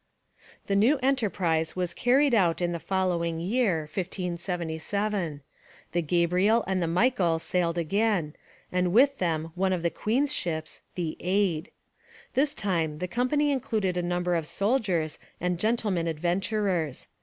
The new enterprise was carried out in the following year (1577). The Gabriel and the Michael sailed again, and with them one of the queen's ships, the Aid. This time the company included a number of soldiers and gentlemen adventurers.